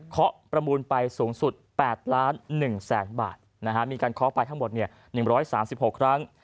เขาประมูลไปสูงสุด๘ล้าน๑แสนบาทมีการเคาะไปทั้งหมด๑๓๖ครั้ง